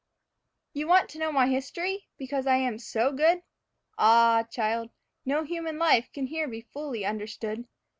You want to know my history, because I am so good? Ah, child, no human life can here be fully understood.